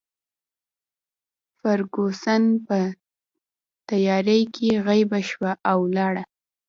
فرګوسن په تیارې کې غیبه شوه او ولاړه.